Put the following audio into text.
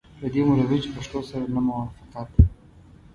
له دې مروجي پښتو سره نه موافقت.